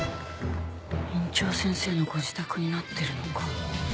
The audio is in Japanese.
院長先生のご自宅になってるのか。